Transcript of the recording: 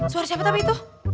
suara siapa tapi itu